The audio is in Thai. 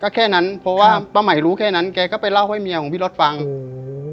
ก็แค่นั้นเพราะว่าป้าใหม่รู้แค่นั้นแกก็ไปเล่าให้เมียของพี่รถฟังอืม